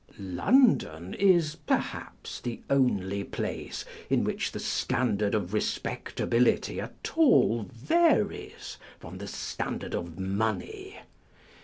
â€" London is, perhaps, the only place in which the standard of respectability at all varies from the standard of money.